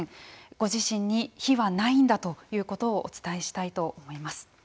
ご自身に非はないんだということをお伝えしたいと思います。